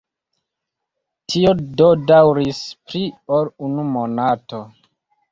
Tio do daŭris pli ol unu monato.